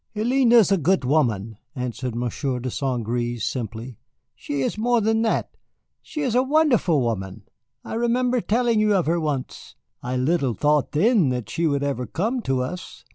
"Hélène is a good woman," answered Monsieur de St. Gré, simply. "She is more than that, she is a wonderful woman. I remember telling you of her once. I little thought then that she would ever come to us."